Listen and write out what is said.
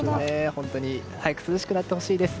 本当に早く涼しくなってほしいです。